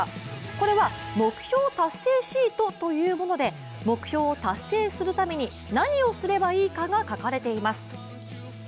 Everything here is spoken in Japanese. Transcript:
これは目標達成シートというもので目標を達成するために何をすればいいかが書かれています。